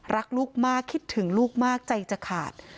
รักลูกมากคิดถึงลูกมากใจจะขาด